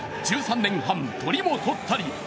１３年半、撮りも撮ったり。